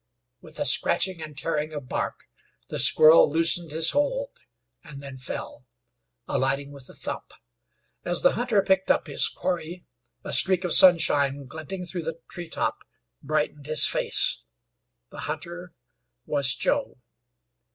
With a scratching and tearing of bark the squirrel loosened his hold and then fell; alighting with a thump. As the hunter picked up his quarry a streak of sunshine glinting through the tree top brightened his face. The hunter was Joe.